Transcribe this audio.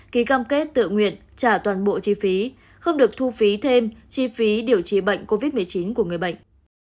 ký cam kết tự nguyện trả toàn bộ chi phí không được thu phí thêm chi phí điều trị bệnh covid một mươi chín của người bệnh